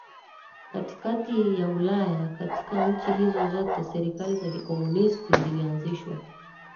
katikati ya Ulaya Katika nchi hizo zote serikali za kikomunisti zilianzishwa